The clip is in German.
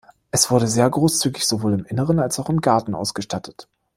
Es wurde sehr großzügig sowohl im Inneren als auch im Garten ausgestattet.